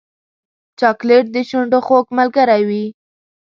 چاکلېټ د شونډو خوږ ملګری وي.